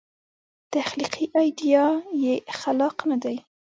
تخلیقي ایډیا یې خلاق نه دی.